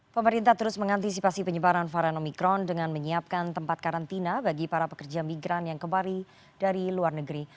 pemerintah terus mengantisipasi penyebaran varian omikron dengan menyiapkan tempat karantina bagi para pekerja migran yang kembali dari luar negeri